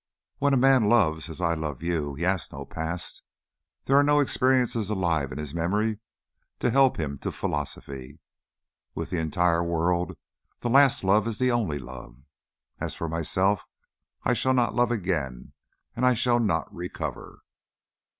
"When a man loves as I love you, he has no past. There are no experiences alive in his memory to help him to philosophy. With the entire world the last love is the only love. As for myself, I shall not love again and I shall not recover."